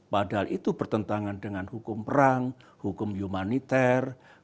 padahal itu bertentangan dengan hukum perang hukum humaniter